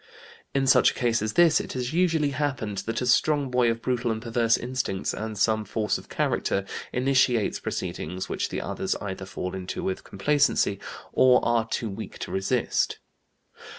In such a case as this it has usually happened that a strong boy of brutal and perverse instincts and some force of character initiates proceedings which the others either fall into with complacency or are too weak to resist.